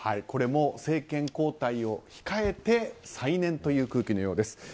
これも政権交代を控えて再燃という空気のようです。